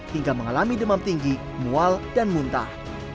hingga mengalami demam tinggi mual dan muntah